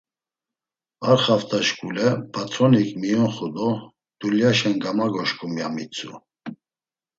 Ar xafta şkule patronik miyoxu do 'dulyaşe gamagoşǩum' ya mitzu.